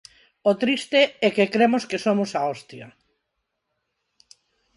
O triste é que cremos que somos a hostia.